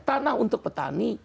tanah untuk petani